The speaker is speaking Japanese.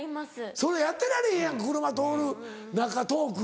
それやってられへんやんか車通る中トーク。